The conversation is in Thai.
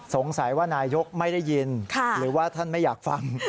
สงสัยว่านายกไม่ได้ยินหรือว่าท่านไม่อยากฟัง